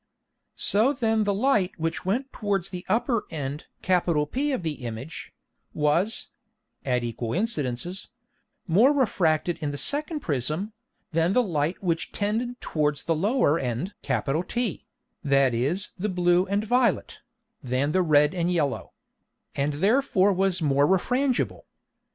So then the Light which went towards the upper end P of the Image, was (at equal Incidences) more refracted in the second Prism, than the Light which tended towards the lower end T, that is the blue and violet, than the red and yellow; and therefore was more refrangible.